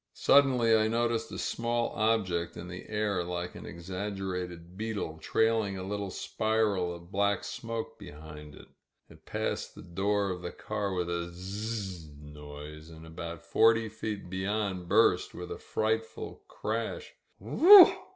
Suddenly I noticed a small ob* ject in the air like an exaggerated beetle, trailing a little spiral of black smoke behind it. It passed the door of the car with a zzzzzing noise and about forty feet beyond burst with a frightful Crash — ^Whee e e eeaa